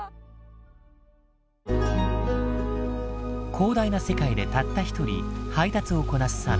広大な世界でたった一人配達をこなすサム。